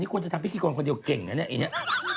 นี่ควรจะทำพิธีกรคนเดียวเก่งนะเนี่ย